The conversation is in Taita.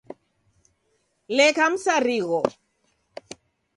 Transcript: Leka msarigho.